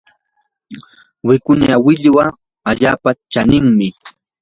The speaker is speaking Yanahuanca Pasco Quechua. wikuña millwa allaapa chaninmi.